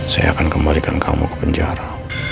saya akan kembalikan kamu ke penjara